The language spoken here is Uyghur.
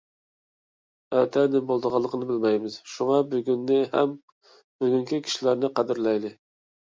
ئەتە نېمە بولىدىغانلىقىنى بىلمەيمىز. شۇڭا بۈگۈننى ھەم بۈگۈنكى كىشىلەرنى قەدىرلەيلى!